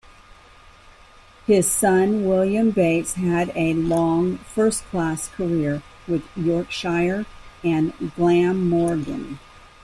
His son William Bates had a long first-class career with Yorkshire and Glamorgan.